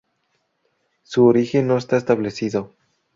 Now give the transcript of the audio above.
Su origen no está establecido.